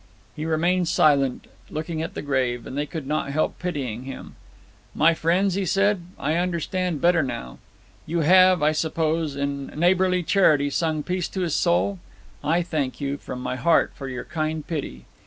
He remained silent, looking at the grave, and they could not help pitying him. 'My friends,' he said, 'I understand better now. You have, I suppose, in neighbourly charity, sung peace to his soul? I thank you, from my heart, for your kind pity.